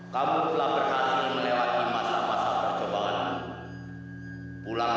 sampai jumpa di video selanjutnya